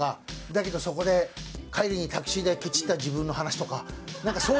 だけどそこで帰りにタクシー代ケチった自分の話とかなんかそういう。